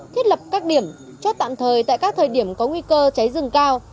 thiết lập các điểm chốt tạm thời tại các thời điểm có nguy cơ cháy rừng cao